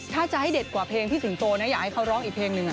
ถ้าจะให้เด็ดกว่าเพลงพี่สิงโตนะอยากให้เขาร้องอีกเพลงหนึ่ง